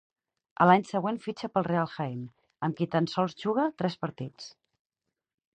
A l'any següent fitxa pel Real Jaén, amb qui tan sols juga tres partits.